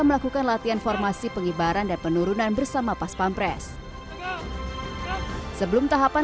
melakukan latihan formasi pengibaran dan penurunan bersama pas pampres sebelum tahapan